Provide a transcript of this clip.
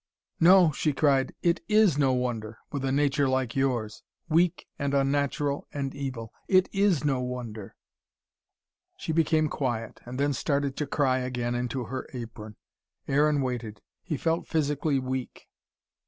"No," she cried. "It IS no wonder, with a nature like yours: weak and unnatural and evil. It IS no wonder." She became quiet and then started to cry again, into her apron. Aaron waited. He felt physically weak.